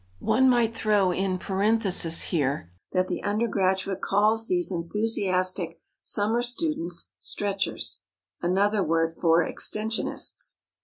One might throw in parenthesis here that the undergraduate calls these enthusiastic summer students "stretchers" (another word for extensionists).